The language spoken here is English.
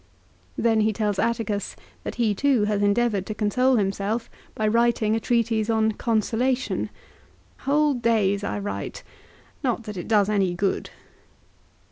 1 Then he tells Atticus that he too has endeavoured to console him self by writing a treatise on " Consolation." " Whole days I write. Not that it does any good."